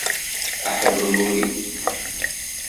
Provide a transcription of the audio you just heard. Aḥebruri.